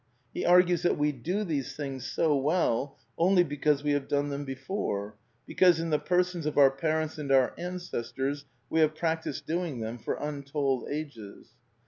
*^ He argues that we do these things so well only because we have done them before, because in the persons of our parents and our ancestors we have prac tised doing them for untold ages.